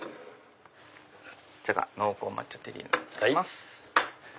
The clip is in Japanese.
こちらが濃厚抹茶テリーヌでございます。